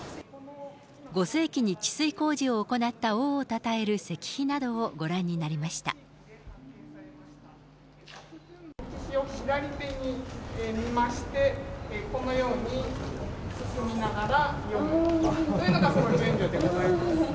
５世紀に治水工事を行った王をたたえる石碑などをご覧になりまし石碑を左手に見まして、このように進みながら読むのが、その順序でございます。